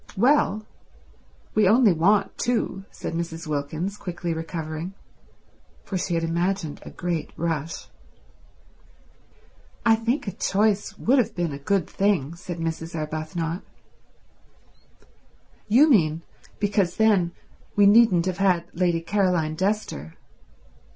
"Well, we only want two," said Mrs. Wilkins, quickly recovering, for she had imagined a great rush. "I think a choice would have been a good thing," said Mrs. Arbuthnot. "You mean because then we needn't have had Lady Caroline Dester."